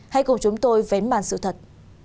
hãy cùng chúng tôi vến bàn sự thật